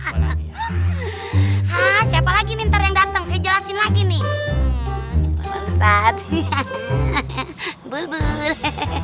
hah siapa lagi nintar yang dateng saya jelasin lagi nih